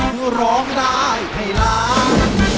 ก็ร้องได้ให้ล้าง